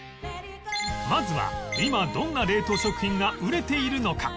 まずは今どんな冷凍食品が売れているのか？